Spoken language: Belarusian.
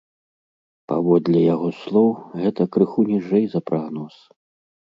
Паводле яго слоў, гэта крыху ніжэй за прагноз.